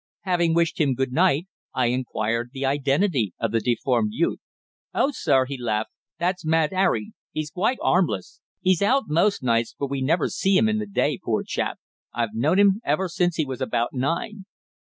Having wished him good night, I inquired the identity of the deformed youth. "Oh, sir," he laughed, "that's Mad 'Arry. 'E's quite 'armless. 'E's out most nights, but we never see 'im in the day, poor chap. I've known 'im ever since he was about nine."